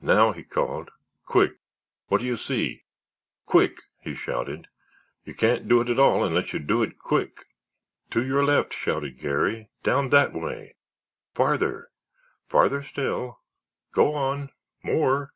"Now," he called; "quick, what do you see? Quick!" he shouted. "You can't do it at all unless you do it quick!" "To your left!" shouted Garry. "Down that way—farther—farther still—go on—more.